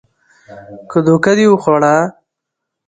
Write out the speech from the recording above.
که دوکه دې وخوړه